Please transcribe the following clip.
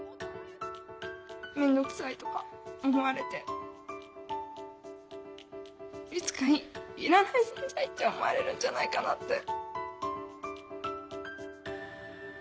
面倒くさいとか思われていつかいらない存在って思われるんじゃないかなって。